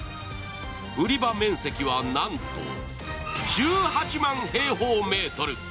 売り場面積はなんと１８万平方メートル。